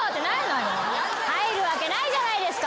「入るわけないじゃないですか！」